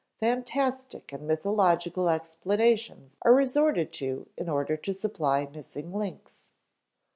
Fantastic and mythological explanations are resorted to in order to supply missing links.